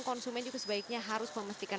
konsumen juga sebaiknya harus memastikan